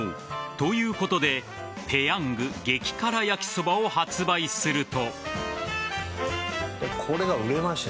ということでペヤング激辛やきそばを発売すると。